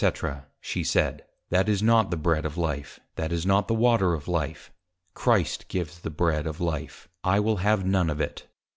_, she said, _That is not the Bread of Life; that is not the Water of Life; Christ gives the Bread of Life; I will have none of it!